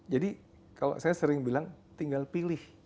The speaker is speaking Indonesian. jadi kalau saya sering bilang tinggal pilih